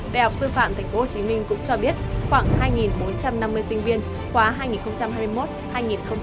đại học sư phạm tp hcm cũng cho biết khoảng hai bốn trăm năm mươi sinh viên khóa hai nghìn hai mươi một hai nghìn hai mươi năm